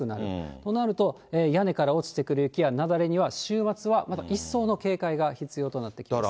となると、屋根から落ちてくる雪や雪崩には、週末は、また一層の警戒が必要となってきます。